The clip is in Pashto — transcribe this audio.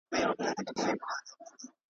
زموږ په سیمه کې علمي بنسټونه کمزوري وو